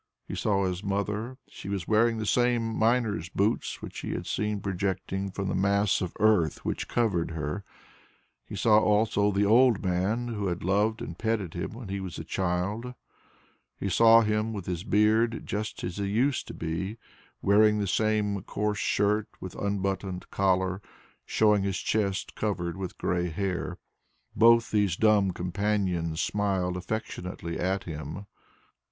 He saw his mother; she was wearing the same miner's boots which he had seen projecting from the mass of earth which covered her. He saw also the old man who had loved and petted him when he was a child. He saw him with his beard just as he used to be, wearing the same coarse shirt with unbuttoned collar, showing his chest covered with grey hair. Both these dumb companions smiled affectionately at him.